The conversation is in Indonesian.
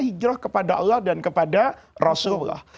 hijrah kepada allah dan kepada rasulullah